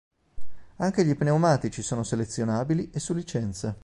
Anche gli pneumatici sono selezionabili e su licenza.